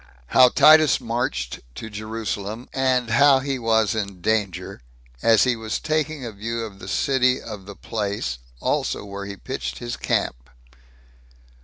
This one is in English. How Titus Marched To Jerusalem, And How He Was In Danger As He Was Taking A View Of The City Of The Place Also Where He Pitched His Camp 1.